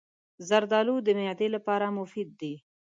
زردالو د معدې لپاره مفید دی.